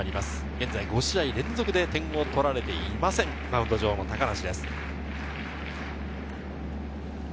現在５試合連続で点を取られていません、マウンド上の高梨です。